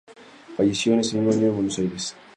Falleció ese mismo año en Buenos Aires.